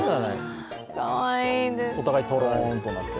お互いとろんとなって。